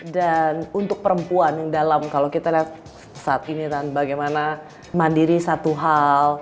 dan untuk perempuan yang dalam kalau kita lihat saat ini dan bagaimana mandiri satu hal